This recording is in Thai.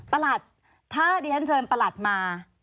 ประหลัดถ้าเดทันเชิญประหลัดมา